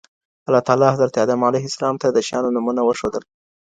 الله تعالی حضرت آدم ع ته د شيانو نومونه وښودل.